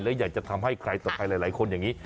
และอยากจะทำให้ใครต่อใครหลายคนอย่างนี้